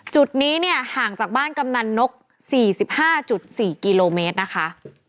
จุดนี้เนี่ยห่างจากบ้านกำนันนก๔๕๔กิโลเมตรนะคะ